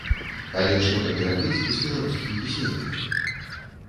Але што тады рабіць з беларускімі пісьменнікамі?